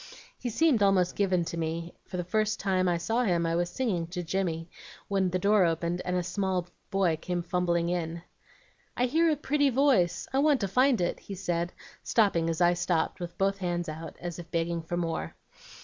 He seemed almost given to me, for the first time I saw him I was singing to Jimmy, when the door opened and a small boy came fumbling in. "'I hear a pretty voice, I want to find it,' he said, stopping as I stopped with both hands out as if begging for more.